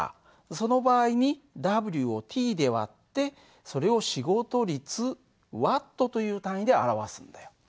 その場合にＷをｔで割ってそれを仕事率Ｗという単位で表すんだよ。